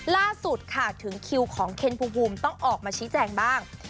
ล่าสุดค่ะถึงคิวของเคนภูมิต้องออกมาชี้แจงบ้าง